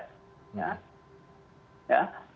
transparan dan fair